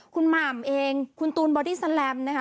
คุณหม่ำเองคุณตูนบอดี้แลมนะคะ